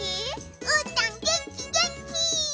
うーたんげんきげんき！